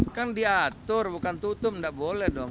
kan diatur bukan tutup nggak boleh dong